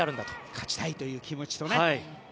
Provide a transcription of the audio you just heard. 勝ちたいという気持ちとね。